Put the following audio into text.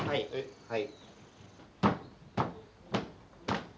はい。